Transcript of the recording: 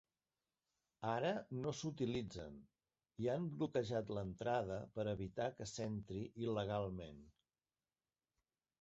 Ara no s'utilitzen i han bloquejat l'entrada per evitar que s'entri il·legalment.